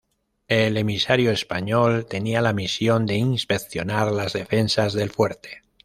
El emisario español tenía la misión de inspeccionar las defensas del fuerte.